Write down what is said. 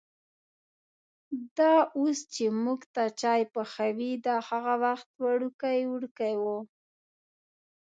دا اوس چې مونږ ته چای پخوي، دا هغه وخت وړوکی وړکی و.